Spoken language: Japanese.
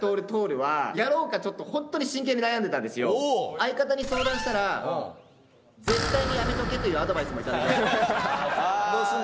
相方に相談したら絶対にやめとけというアドバイスもいただきました。